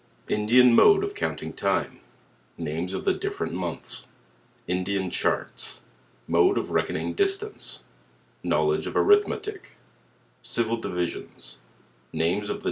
Indian mode of counting 1 tine Names of the different months Indian Ckurts M>de of reckoning distance Know ledge of Arithmetic Civil divisions Names of the.